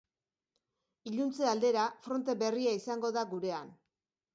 Iluntze aldera, fronte berria izango da gurean.